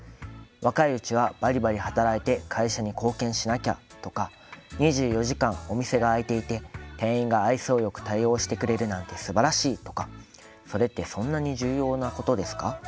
若いうちはバリバリ働いて会社に貢献しなきゃとか２４時間、お店が開いていて店員が愛想よく対応してくれるなんてすばらしいとか、それってそんなに重要なことですか？